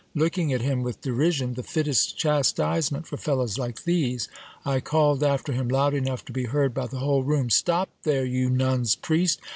Looking at him with derision, the fittest chastisement for fellows like these, I called after him loud enough to be heard by the whole room : Stop there, you nun's priest